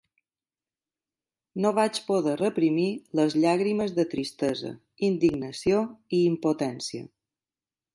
No vaig poder reprimir les llàgrimes de tristesa, indignació i impotència.